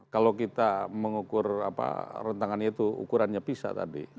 kalau kita mengukur rentangannya itu ukurannya pisa tadi